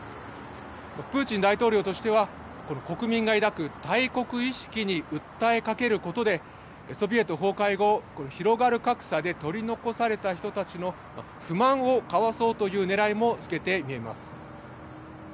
プーチン大統領としては国民が抱く大国意識に訴えかけることでソビエト崩壊後、広がる格差で取り残された人たちの不満をかわそうというねらいも透けて見えます。